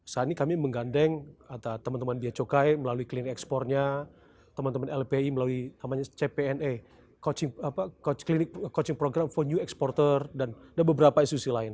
saat ini kami menggandeng teman teman bia cukai melalui klinik ekspornya teman teman lpi melalui namanya cpna coaching program for new exporter dan beberapa institusi lain